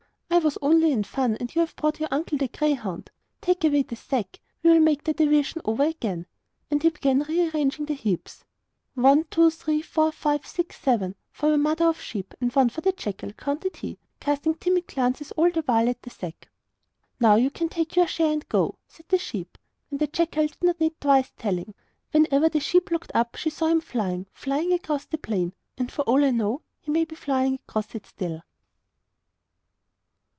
'I was only in fun; and you have brought my uncle the greyhound. Take away the sack, we will make the division over again.' And he began rearranging the heaps. 'One, two, three, four, five, six, seven, for my mother the sheep, and one for the jackal,' counted he; casting timid glances all the while at the sack. 'Now you can take your share and go,' said the sheep. And the jackal did not need twice telling! Whenever the sheep looked up, she still saw him flying, flying across the plain; and, for all I know, he may be flying across it still.